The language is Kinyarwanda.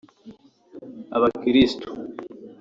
Abakirisitu